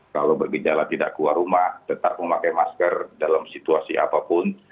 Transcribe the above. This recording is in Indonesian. kalau bergejala tidak keluar rumah tetap memakai masker dalam situasi apapun